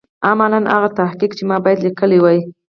عملاً هغه تحقیق چې ما باید لیکلی وای.